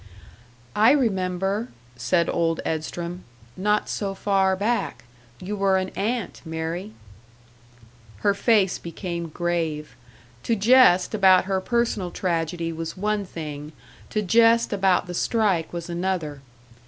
"I remember," said Old Edstrom, "not so far back, you were an ant, Mary." Her face became grave. To jest about her personal tragedy was one thing, to jest about the strike was another.